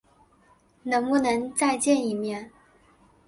能不能再见一面？